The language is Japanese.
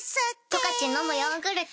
「十勝のむヨーグルト」